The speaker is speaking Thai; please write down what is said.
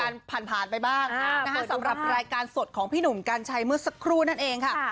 รายการสดของพี่หนุ่มการใช้เมื่อสักครู่นั่นเองค่ะ